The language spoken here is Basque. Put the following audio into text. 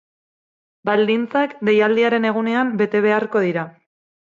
Baldintzak deialdiaren egunean bete beharko dira.